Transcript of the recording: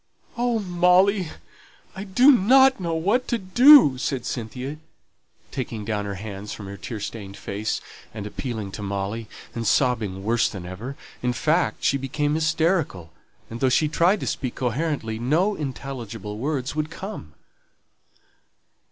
"Oh, Molly, I don't know what to do," said Cynthia, taking down her hands from her tear stained face, and appealing to Molly, and sobbing worse than ever; in fact, she became hysterical, and though she tried to speak coherently, no intelligible words would come.